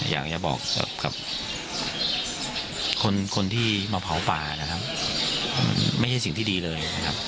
อยากจะบอกว่าคนที่มาเผาปลาไม่สิ่งที่ดีเลย